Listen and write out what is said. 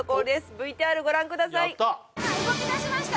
ＶＴＲご覧ください動きだしました